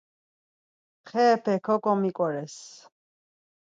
Xepe koǩomiǩores.